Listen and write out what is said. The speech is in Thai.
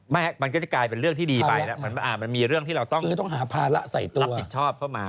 มันก็จะกลายเป็นเรื่องที่ดีไปมันมีเรื่องที่เราต้องรับผิดชอบเข้ามา